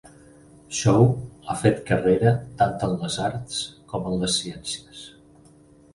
Shaw ha fet carrera tant en les arts com en les ciències.